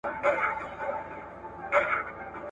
حکومتونه چیري د بندیانو حقونه څاري؟